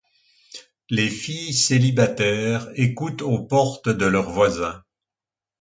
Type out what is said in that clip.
Les filles célibataires écoutent aux portes de leurs voisins.